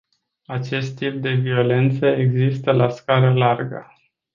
Acest tip de violență există la scară largă.